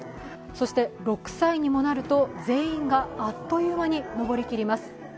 そして６歳にもなると全員があっという間に登りきります。